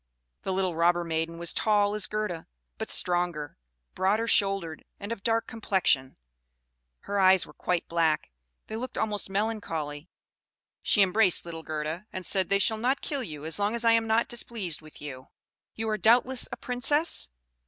The little robber maiden was as tall as Gerda, but stronger, broader shouldered, and of dark complexion; her eyes were quite black; they looked almost melancholy. She embraced little Gerda, and said, "They shall not kill you as long as I am not displeased with you. You are, doubtless, a Princess?"